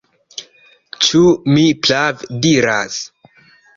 Ĉu mi prave diras?